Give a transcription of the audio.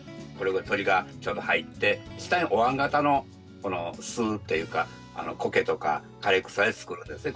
鳥がちょうど入って下におわん型の巣というかコケとか枯れ草で作るんですね。